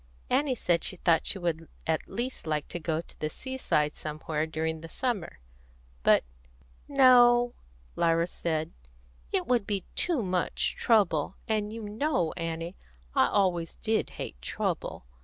Annie said she thought she would at least like to go to the seaside somewhere during the summer, but "No," Lyra said; "it would be too much trouble, and you know, Annie, I always did hate trouble.